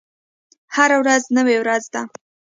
هره ورځ نوې ورځ ده